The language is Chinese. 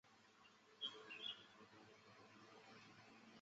后续于现在刚引进的新我们这一家也采用了该版权引进的相同模式。